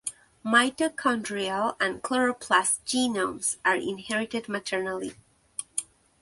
Mitochondrial and chloroplast genomes are inherited maternally.